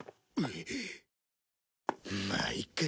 まあいっか。